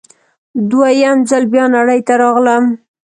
دوه یم ځل بیا نړۍ ته راغلم